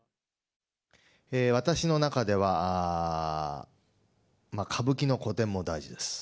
私の中では、歌舞伎の古典も大事です。